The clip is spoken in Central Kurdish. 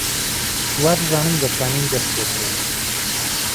وابزانم دەتوانین دەست پێ بکەین.